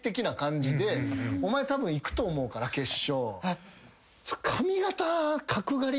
お前たぶん行くと思うから決勝。